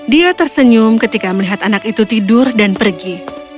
dia tersenyum ketika melihat anak itu tidur dan pergi